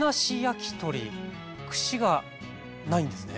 串がないんですね？